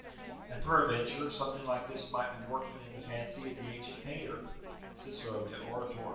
And, peradventure, something like this might be working in the fancy of the ancient painter, [Cicero, De Orator.